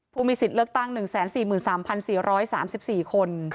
ผู้มีสิทธิ์เลือกตั้ง๑๔๓๔๓๔คน